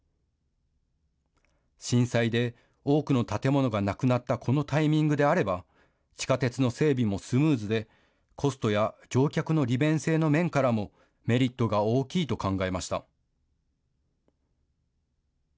震災で多くの建物がなくなった、このタイミングであれば、地下鉄の整備もスムーズで、コストや乗客の利便性の面からも、メリットが大きいと考えました。